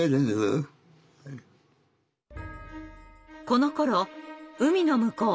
このころ海の向こう